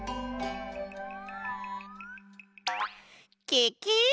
ケケ！